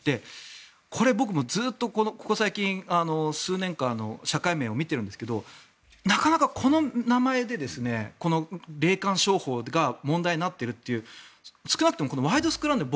これ僕もずっとここ最近、数年間社会面を見ているんですがなかなかこの名前で霊感商法が問題になっているという少なくともこの「ワイド！スクランブル」